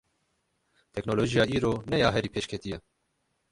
Teknolojiya îro ne ya herî pêşketî ye.